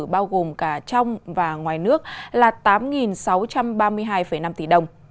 bao gồm cả trong và ngoài nước là tám sáu trăm ba mươi hai năm tỷ đồng